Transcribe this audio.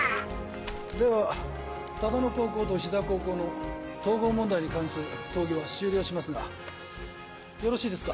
では唯野高校と石田高校の統合問題に関する討議は終了しますがよろしいですか？